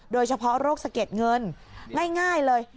โดยเฉพาะโรคสะเก็ดเงินง่ายเลย